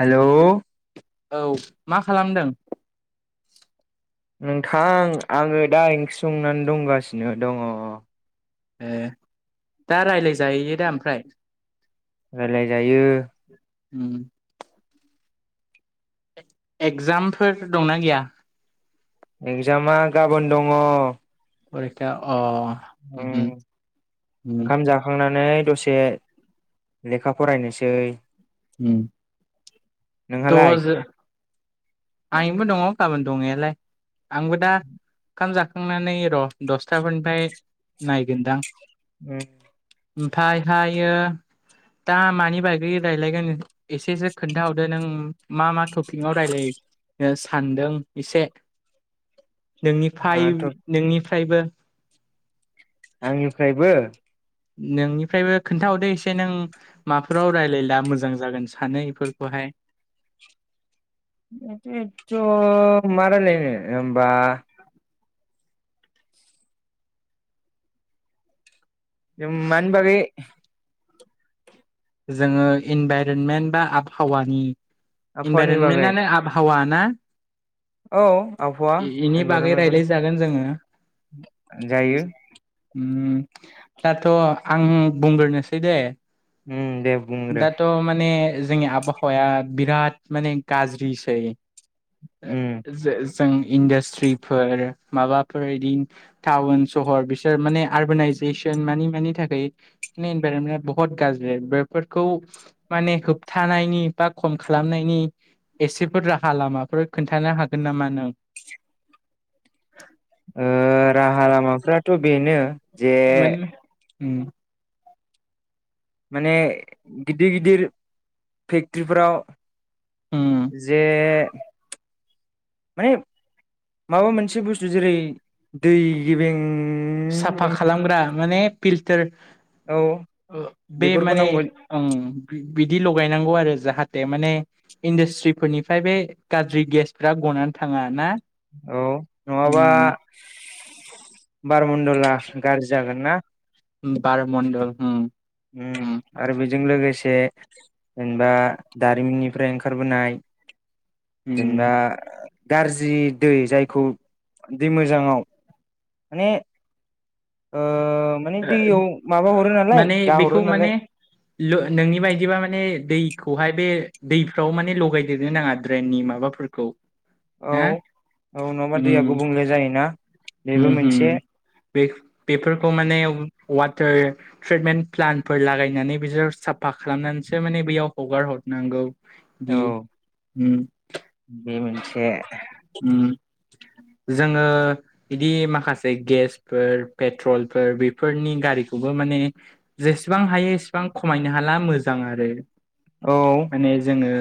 Hello औ मा खालामदों नोंथां आङो दा ओंख्रि संनानै दंगासिनो दङ ए दा राय्लाय जाहोयो दा ओमफ्राय राय्लाय जायो उम एगजामफोर दंना गैया एगजामा गाबोन दङ फरिखा अ उम उमहो उम ओंखाम जाखांना नै दसे लेखा फरायनोसै उम त' नोंहालाय जो आंनिबो दङ गाबोन दंनायालाय आंबो दा ओंखाम जाखांनानै र' दसथाफोरनिफाय नायगोनदां [unintelligible] ओमफायहायो दा मानि बागै रायलायगोन एसेसो खोन्थाहरदो नों मा मा टपिकआव रायलायो ओ सानदों इसे नोंनिफाय माथ' नोंनि फायबो आंनिफ्रायबो नोंनिफ्रायबो खोन्थाहरदो इसे नों माफोराव रायलायला मोजां जागोन सानो एफोरखौहाय हाय [inaudible] थ' मा रायलायनो ओमबा ओम मानि बागै जोङो इनभाइरनमेन्ट बा आबहावानि आबहावानि बागै इनभाइरमेन्टआनो आबहावा ना औ आबहावा इनि बागै रायलायजागोन जोङो इनभाइरनमेन्टखौनो जायो उम दाथ' आं बुंगोरनोसै दे उम दे बुंग्रो दाथ' माने जोंनि आबहावाया बिराद माने गाज्रिसै उम [inaudible] जे जों इन्डासट्रिफोर माबाफोर इदिन टाउन सहर बिसोर माने आरबनाइज जेशन मानि मानि थाखै माने इनभाइरनमेन्ट ब'होद गाज्रि बेफोरखौ माने होब होबथानायनि बा खम खालामनायनि एसेफोर राहा लामाफोर खोन्थानो हागोन नामा नों [unintelligible] ओ राहा लामाफ्राथ' बेनो जे माने उम माने गिदिर गिदिर फेक्ट्रिफोराव उम जे माने माबा मोनसे बुस्थु जेरै दै गेबें साफा खालामग्रा माने फिल्टार औ ओ बे बेफोरखौ माने नांगौ ओं बिदि लगायनांगौ आरो जाहाथ थे माने इन्डास्ट्रि फोरनिफ्राय बे गाज्रि गेसफ्रा गनान थाङा ना औ नङाबा उम [inaudible] मन्द'ला गार्जि जागोन ना बार मणडल हम उम आरो बेजों लोगोसे से जेनबा दारिमिननिफ्राय ओंखारबोनाय जेनबा उम ओ गार्जि दै जायखौ दै मोजाङाव माने ओ माने दैयाव माबा हरो नालाय माने बेखौ गाहरो माने नालाय नोंनि बायदिबा माने दैखौहाय बे दैफ्राव माने लगायदेरनो नाङा ड्रेननि माबाखौ फोरखौ औ औ नङाबा दैया गुबुंले जायोना बे बेबो उम मोनसे उम बेफोरखौ माने [unintelligible] ट्रिटमेन्ट प्लान्टफोर लागायनानै बिसोर साफा खालामनानैसो माने बेयाव हगार हरनांगौ औ बिदि उम बे मोनसे उम जोङो बिदि माखासे गेसफोर पेट्रलफोर बेफोरनि गारिखौबो माने जेसे इसेबां हायो इसेबां खमायनो हाला मोजां आरो औ माने जोङो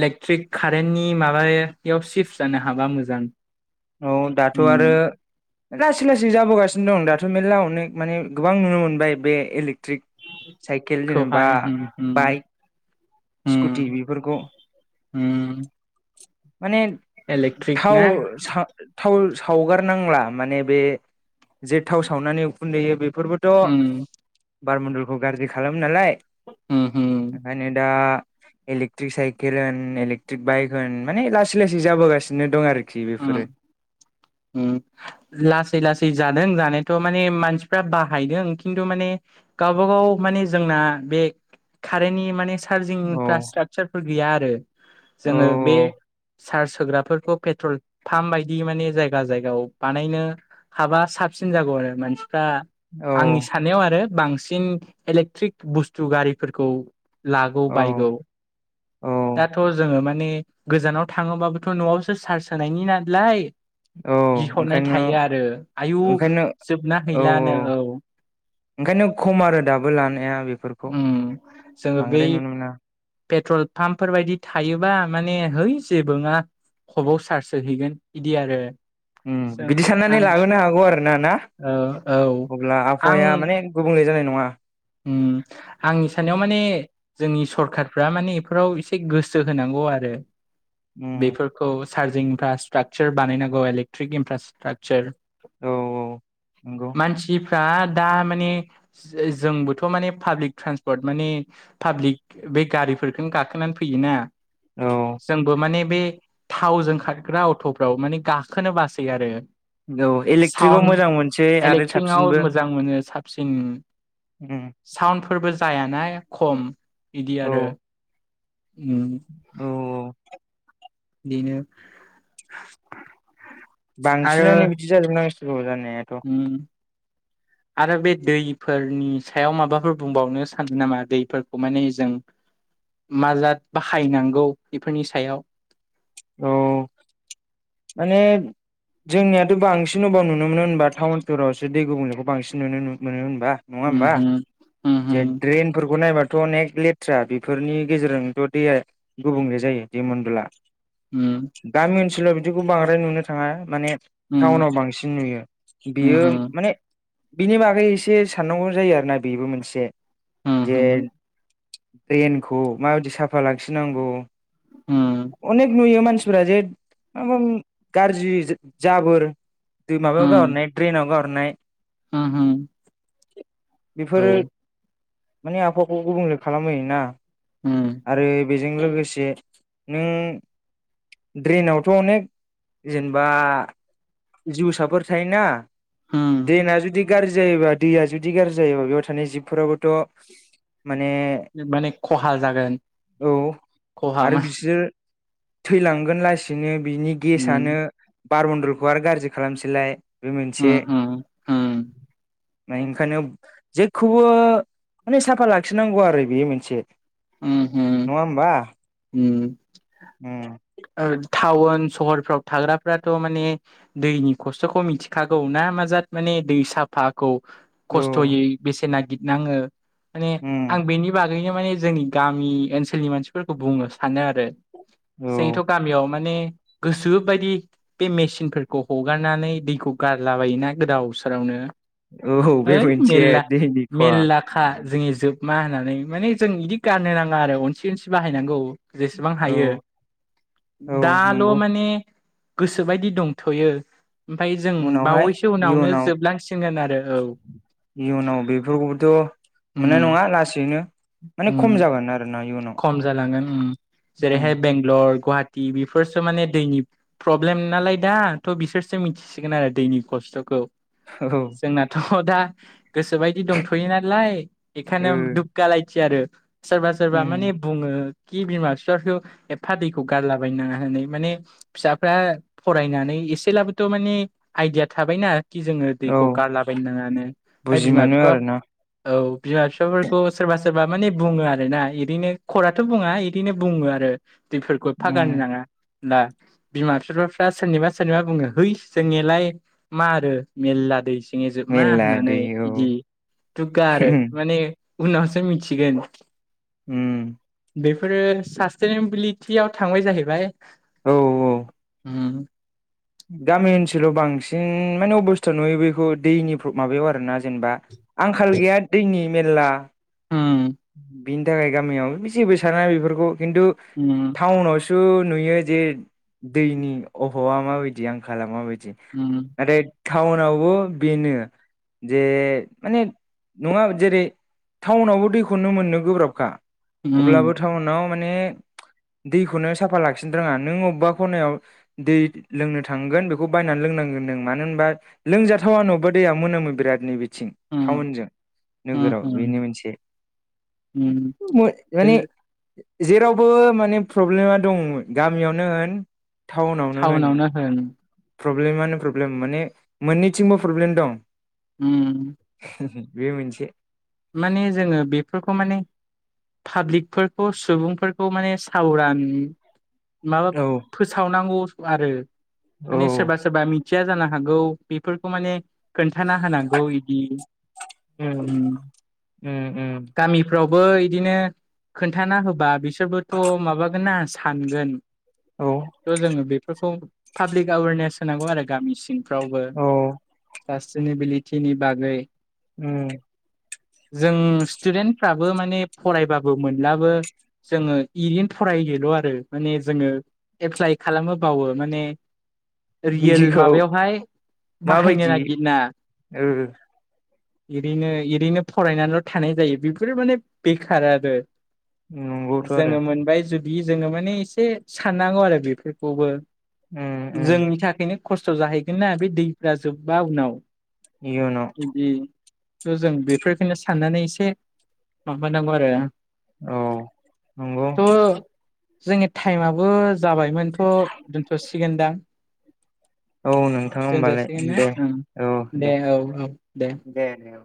इलेक्ट्रिक कारेन्टनि माबायाव सिफ्ट जानो हाबा मोजां औ दाथ' आरो उम लासै लासै जाबोगासिनो दं दाथ' मेल्ला अनेक माने गोबां नुनो मोनबाय इलेक ट्रिक साइकेल जेनेबा खौहाय उम उम बाइक स्कुटि उम बेफोरखौ उम माने इलेक्ट्रिक थाव ना सा थाव सावगारनांला माने बे जे थाव सावनानै उखुन्दैयो बे फोरबोथ' उम बारमन्दलखौ गाज्रि खालामो नालाय। उम उम ओंखायनो दा इलेकट्रिक साइकेल होन इलेक्ट्रिक बाइक होन माने लासै लासै जाबोगासिनो दं आरो खि बेफोरो। ओम लासै लासै जा दों जानायाथ' माने मानसिफ्रा बाहायदों खिन्थु माने गावबा गाव माने जोंना बे कारेन्टनि माने औ चारजिंफ्रा स्ट्राकचारफोर गैया आरो औ जोङो बे चार्ज होग्राफोरखौ पेट्रल फाम बायदि माने जायगा जायगायाव बानायनो हाबा साबसिन जागौ आरो मान दा औ आंनि साननायाव आरो बांसिन इलेक्ट्रिक बुस्थु गारिफोरखौ लागौ औ बायगौ। औ दाथ' जोङो माने गोजानाव थाङोबाबोथ' न'आवसो सार्स होनायनि नालाय औ गिहरनाय ओंखायनो थायो आरो आयु ओंखायनो जोबना हैलानो औ। [inaudible] ओंखायनो खम आरो दाबो लानाया बेफोरखौ उम जोङो बै बांद्राय नुनो मोना। पेट्रल पाम्पफोर बायदि थायोबा माने है जेबो नोङा हबाव सार्स होहैैगोन बिदि आरो। ओम, जों बिदि साननानै आं लाबोनो हागौ आरोना ना? औ औ अब्ला आबहावाया माने गुबुंले जानाय न ओम आंनि सानाव माने जोंनि सरखारफ्रा माने बेफोराव एसे गोसो होनां गौ आरो। उम बेफोरखौ चार्जिं इनफ्रास्ट्राकचार बानायनांगौ इलेक्ट्रिक इनफ्रास्ट्राकचार। औ औ नंगौ। दा दा माने ज-जो जोंबोथ' माने पाब्लिक ट्रेान्सपर्ट माने पाब्लिक बे गारिफोरखोनो गाखोनानै फैयोना। औ जोंबो माने बे थावजों खारग्रा अट'फ्राव माने गाखोनो बासै आरो। औ इलेक्ट्रिकआव सउन्ड मोजां मोनसै आरो इलेक्ट्रिकआव साबसिनबो मोजां मोनो सा बसिन उम साउन्डफोरबो जायाना खम। बिदि औ आरो। उम औ औ। बिदिनो बांसिनानो बिदि जाजोबनांसिगौ जाना उम। आरो बे दैफोरनि सायाव माबाफोर बुंबावनो सानो नामा दैफोरखौ माने जों माजाद बाहायनांगौ बेफोरनि सायाव। औ। माने जोंनियाथ' बांसिन अबाव नुनो मोनो होनबा टाउन सहरावसो दै गुबुंनायखौ बांसिन नुनो मोनो। बा नङा होमबा जे ड्रेनफोरखौ नायबा थ' अनेक लेथ्रा बेफोरनि गेजेरजोंनोथ' दैया गुबुंले जायो दै मनडला। गामि ओनसोलाव बिदिखौ बांद्राय नुनो थाङा माने टाउनाव बांसिन नुयो। बियो माने बिनि बागै इसे साननांगौ जायो आरो ना बिबो मोनसे जे ड्रेनखौ माबायदि साफा लाखिनांगौ उम। अनेक नुयो मानसिफोरा जे [unintelligible] गाज्रि जाबोर [unintelligible] ड्रेनाव गाहरनाय होम हम बेफोरो माने आबहावाखौ गुबुंले खालामहोयो ना उम, आरो बेजों लोगोसे नों ड्रेनावथ' अनेक जेनबा जिउसाफोर थायोना उम द्रेेनआ जुदि गाज्रि जायोबा दैया जुदि गाज्रि जायोबा बेयाव थानाय जिबफोरावोथ' माने माने खहा जागोन [inaudible] औ खहा आरो मा बिसोर थैलांगोन लासैनो बिनि गेसानो उम, बार बन्दलखौ आरो गाज्रि खालामसैलाय। बे उम मोनसे उम उम [unintelligible] जेखौबो माने साफा लाखिनांगौ आरो बे मोनसे। उम नङा होमबा उम उम उम थाउन सहरफ्राव थाग्राफ्राथ' माने दैनि खस्थ'खौ मिथिखागौ ना माजाद माने दै साफा खौ औ खस्थ'यै बेसेनागिदनाङो माने उम आं बेनि बागैनो माने जोंनि गामि ओनसोलनि मानसिफोरखौ बुंनो सानो आरो औ जोंनिथ' गामियाव माने गोसो बायदि बे मेचिनफोरखौ हगारनानै दैखौ गारला बायोना गोदाव सोरावनो औ बे है मोनसे मेल्ला दैनि खहा मेल्लाखा जोंनि जोब मा होननानै माने जों इदि गारनो नाङा आरो अनसि अनसि बाहायनांगौ। जेसेबां औ हायो औ दाल' नंगौ माने गोसोबायदि दंथ'यो। ओमफाय जों उनावहाय बावैसो उनावनो इयुनाव जोबलांसिनगोन आरो औ। इयुनाव बेफोरखौबोथ' उम मोननाय नङा लासैनो माने खम जागोन आरोना इयुनाव। थांगोन उम उम जेरैहाय बेंगलर गुवाहाटि बेफोरसो माने दैनि प्रब्लेम नालाय दा थ' बिसोरसो मिथिसिगोन आरो दैनि ख स्थखौ औ ओ जोंनाथ' दा गोसोबायदि दंथ'यो नालाय बेखायनो दुगगालायथि आरो सो रबा उम माने बुङो खि बिमा बिफाखौ एफा दैखौ गारलाबायनाङा होननानै माने फिसाफ्रा फरायनानै एसेलाबोथ' माने आइदिया थाबायना खि जोङो औ दैखौ गारलाबायनो नाङानो फाय बुजि बिमा मोनो बिफा आरोना औ बिमा बिफाफोरखौ सोरबा सोरबा माने बुङो आरोना इदिनो खराथ' बुङा इदिनो बुङो आरो दैफोरखौ एफा गारनो उम नाङा। ना बिमा बिफाफ्रा सोरनिबा सोरनिबा बुङो है जोंनिलाय मारो मेरला दैसो बेजोब मा मेरला दै होननानै औ बिदि दुगगा आरो माने उनावसो मिथिगोन। उम बेफोरो सास्टनिबिलिटियाव थांबाय जाहैबाय औ औ औ उम गामि ओनसोलाव बांसिन माने अबस्था नुयो बेखौ दैनि माबायाव आरोना जेनेबा आंखाल गैया दैनि मेरला उम बिनि थाखाय गामियाव जेबो साना बेफोरखौ खिन्थु उम टाउनावसो खिन्थु नुयो जे दैनि अफाबा माबायदि आंखाला माबायदि। उम आरोे टाउनावबो बेनो जे माने नङा जेरै टाउनावबो दैखौनो मोननो गोब्राबखा अब्लाबो उम टाउनाव माने दैखौनो साफा लाखिनो रोङा नों अबेबा खनायाव दै लोंनो थांगोन बेखौ बायनानै लोंनो रोंनांगोन मानो होनबा लोंजाथावा नबा दैया मोनामो बिरादनि बिदि थिं उम टाउनजों उम नोगोराव उम बेनि मोनसे उम बे माने जेरावबो माने प्रब्लेमा दं गामियावनो होन टाउनावनो होन। प्रब्लेमानो प्रब्लेम माने मोननैथिंबो प्रब्लेम दं उम बे मोनसे माने जोङो बेफोरखौ माने पाब्लिकफोरखौ सुबुंफोरखौ माने सावरान माबा औ फोसावनांगौ आरो औ माने सोरबा सोरबा मि मिथिया जानो हागौ बेफोरखौ माने खोन्थाना होनांगौ इदि उम उम उम। फोरावबो इदिनो खोन्थाना होबा बिसोरबोथ' माबागोन ना सानगोन। औ थ' जोङो बेफोरखौ पाब्लिक एवारनेस होनांगौ आरो गामिसिम फ्रावबो औ सास्टिनिबिलिटिनि बागै उम जों स्टुदेन्टफ्राबो माने फरायबाबो मोनलाबो जोङो इरैनो फरायदोल' आरो माने जोङो एप्लाइ खालामोबावो माने रियेल बिदिखौ माबायावहाय बाहायनो माबायदि नागिना ओ ओरैनो एओरैनो फरायनानैल' थानाय जायो बेफोरो माने बेखार आरो नंगौथ' आरो जोङो मोनबाय जुदि जोङो माने एसे साननांगौ आरो बेफोरखौबो उम उम जोंनि थाखायनो खस्थ' जाहैगोन ना बे दैफ्रा जोब्बा उनाव इयउनाव थ' जों बेफोरफोरखौनो साननानै एसे माबानांगौ आरो औ नंगौ थ' जोंनि टाइमआबो जाबायमोनथ' दोनथ'सिगोनदां। औ नोंथां होमबालाय दोनजासिगोन ना दे ओं दे औ औ दे। [inaudible] दे औ